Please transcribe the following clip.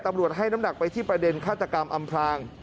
ตำรวจให้น้ำหนักไปที่ประเด็นฆาตกรรมอำพลาง